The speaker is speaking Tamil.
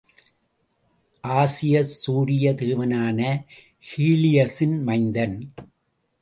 ஆஜியஸ் சூரிய தேவனான ஹீலியஸின் மைந்தன்.